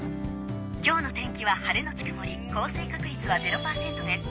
今日の天気は晴れのちくもり降水確率はゼロ％です。